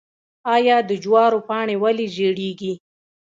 آیا د جوارو پاڼې ولې ژیړیږي؟